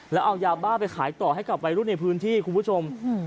แล้วเอายาบ้าไปขายต่อให้กับวัยรุ่นในพื้นที่คุณผู้ชม